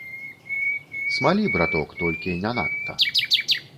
Смалі, браток, толькі не надта.